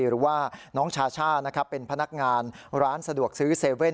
หรือว่าน้องชาช่าเป็นพนักงานร้านสะดวกซื้อ๗๑๑